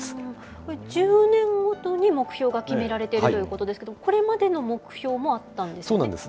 これ、１０年ごとに目標が決められているということですけれども、これまでの目標もあったんですよね。